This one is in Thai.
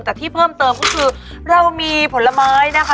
แต่ที่เพิ่มเติมก็คือเรามีผลไม้นะคะ